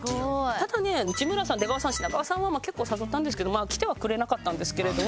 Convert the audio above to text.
ただね内村さん出川さん品川さんは結構誘ったんですけど来てはくれなかったんですけれども。